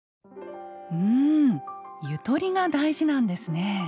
うんゆとりが大事なんですね。